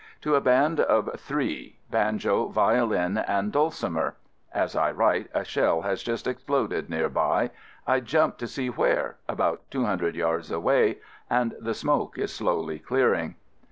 to a band of three, banjo, violin, and dul cimer (as I write a shell has just exploded near by. I jumped to see where — about two hundred yards away and the smoke is slowly clearing).